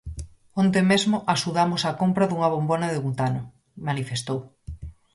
Onte mesmo axudamos á compra dunha bombona de butano, manifestou.